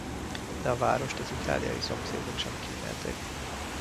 De a várost az itáliai szomszédok sem kímélték.